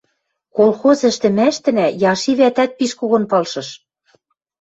Колхоз ӹштӹмӓштӹнӓ Яши вӓтӓт пиш когон палшыш.